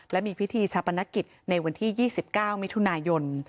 และมีพิธีชาปนกิจในวันที่๒๙มิถุนายน